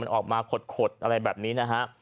มันออกมาขดอะไรแบบนี้นะฮะ